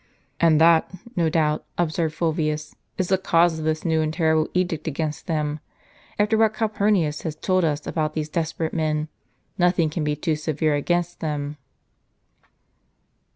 "And that, no doubt," observed Fulvius, "is the cause of this new and terrible edict against them. After what Calpur nius has told us about these desperate men, nothing can be too severe against them."